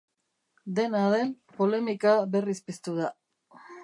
Dena den, polemika berriz piztu da.